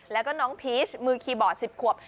แล้วก็น้องพีชมือคีย์บอร์ด๑๐ขวบ